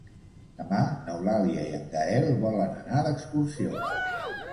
Demà n'Eulàlia i en Gaël volen anar d'excursió.